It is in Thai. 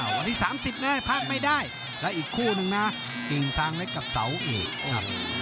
วันที่๓๐นะภาพไม่ได้และอีกคู่หนึ่งนะกิ่งสางเล็กกับเสาเอกครับ